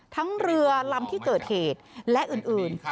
ทั้งเรือลำที่เกิดเหตุและอื่น